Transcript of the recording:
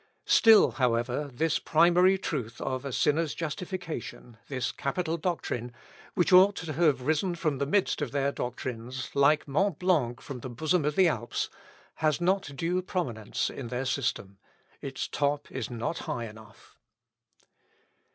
Still, however, this primary truth of a sinner's justification, this capital doctrine, which ought to have risen from the midst of their doctrines, like Mont Blanc from the bosom of the Alps, has not due prominence in their system. Its top is not high enough.